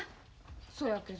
そやけど。